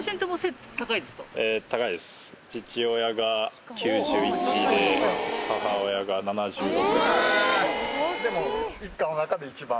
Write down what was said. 父親が９１で母親が７６。